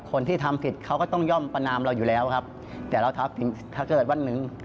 คนที่ทำผิดเขาก็ต้องย่อมประนามเราอยู่แล้วครับแต่เราทักถึงถ้าเกิดวันหนึ่ง